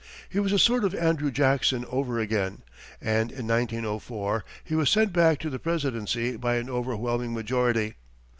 He was a sort of Andrew Jackson over again, and in 1904, he was sent back to the presidency by an overwhelming majority.